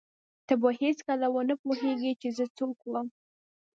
ته به هېڅکله ونه پوهېږې چې زه څوک وم.